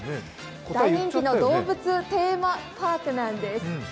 大人気の動物テーマパークなんです。